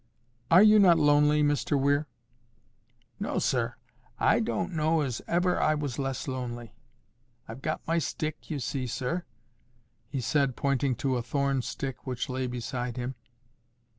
"Are you not lonely, Mr Weir?" "No, sir. I don't know as ever I was less lonely. I've got my stick, you see, sir," he said, pointing to a thorn stick which lay beside him.